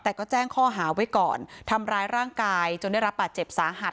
แต่ก็แจ้งข้อหาไว้ก่อนทำร้ายร่างกายจนได้รับบาดเจ็บสาหัส